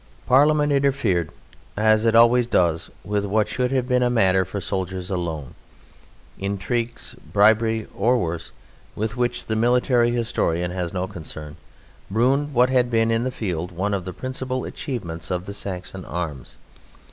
Parliament interfered as it always does with what should have been a matter for soldiers alone. Intrigues, bribery, or worse (with which the military historian has no concern) ruined what had been, in the field, one of the principal achievements of the Saxon arms.